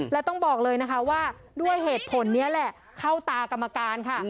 และต้องบอกเลยนะคะว่าด้วยเหตุผลนี้แหละเข้าตากรรมการค่ะ